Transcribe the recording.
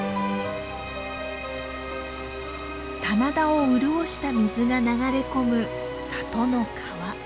棚田を潤した水が流れ込む里の川。